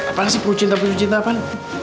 apalagi perut cinta perut cinta apaan